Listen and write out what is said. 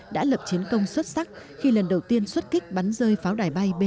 đã lập chiến công xuất sắc khi lần đầu tiên xuất kích bắn rơi pháo đài bay b năm mươi hai